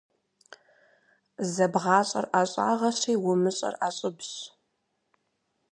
ЗэбгъащӀэр ӀэщӀагъэщи, умыщӀэр ӀэщӀыбщ.